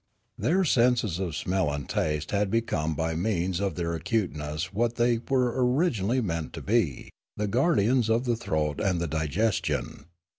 Their senses of smell and taste had become by means of their acuteuess what they were originally meant to be, the guardians of the throat and the digestion.